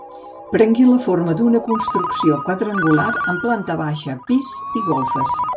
Prengué la forma d'una construcció quadrangular amb planta baixa, pis i golfes.